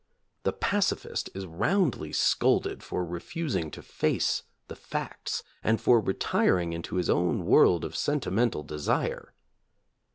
The pacifist is roundly scolded for refusing to face the facts, and for retiring into his own world of sentimental desire.